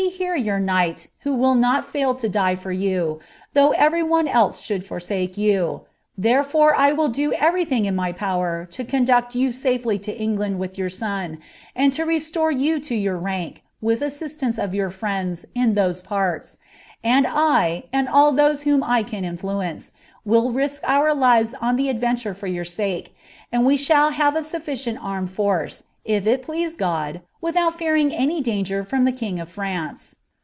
151 •* Ladj, PM here your knighi, who wiil not fcil to die for you, though erery one else should forsake you ; therefore 1 will do every thine in iBy power to conduct you safely to England with your son, and to rcMore you to your rank, with the aHEisiiuice of your friends in those parts ; and I, and all those whom I can influence, will risk our lives on ihe ftdrcDture (or your rake, and we shall have a BulEcienl armed forcr, if it please God, without fearing any danger from the king of France."